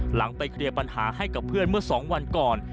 หลังไปเคลียร์ปัญหาให้กับเพื่อนเมื่อ๒วันก่อน